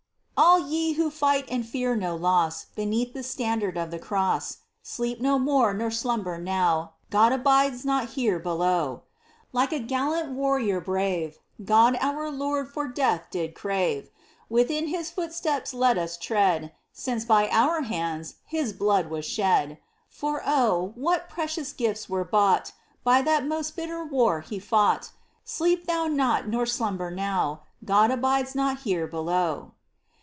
All ye who fight and fear no loss Beneath the standard of the cross, Sleep no more nor slumber now, — God abides not here below ! Like a gallant warrior brave God our Lord for death did crave : Within His footsteps let us tread. Since by our hands His blood was shed ! For oh ! what precious gifts were bought By that most bitter war He fought ! Sleep thou not nor slumber now — God abides not here below